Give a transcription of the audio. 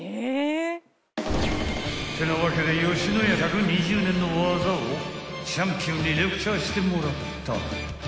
［ってなわけで野家１２０年のワザをチャンピオンにレクチャーしてもらった］